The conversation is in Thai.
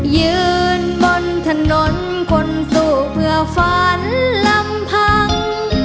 ยืนบนถนนคนสู้เพื่อฝันลำพัง